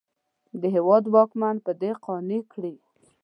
د هېواد واکمن په دې قانع کړي.